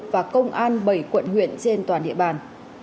và công an bảy quận huyện trên toàn địa bàn